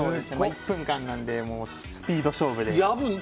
１分間なのでスピード勝負で。